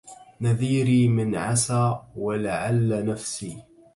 نذيري من عسى ولعل نفسي